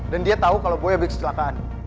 dan dia tahu kalau boy habis kecelakaan